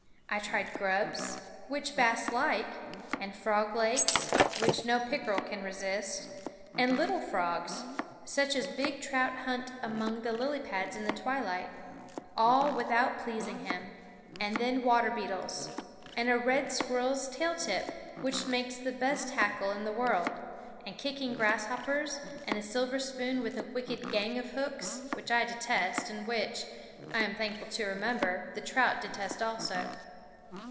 I tried grubs, which bass like, and a frog's leg, which no pickerel can resist, and little frogs, such as big trout hunt among the lily pads in the twilight, all without pleasing him. And then waterbeetles, and a red squirrel's tail tip, which makes the best hackle in the world, and kicking grasshoppers, and a silver spoon with a wicked "gang" of hooks, which I detest and which, I am thankful to remember, the trout detested also.